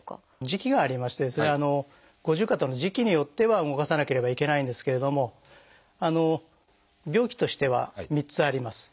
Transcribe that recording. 時期がありましてですね五十肩の時期によっては動かさなければいけないんですけれども病期としては３つあります。